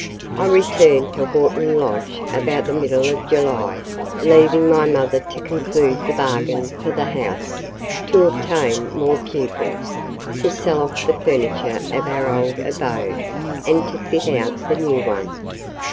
I returned to Horton Lodge about the middle of July, leaving my mother to conclude the bargain for the house, to obtain more pupils, to sell off the furniture of our old abode, and to fit out the new one.